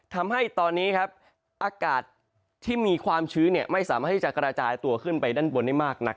ทำให้ตอนนี้อากาศที่มีความชื้นไม่สามารถที่จะกระจายตัวขึ้นไปด้านบนได้มากนัก